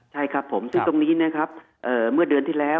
ใช่ครับผมซึ่งตรงนี้นะครับเมื่อเดือนที่แล้ว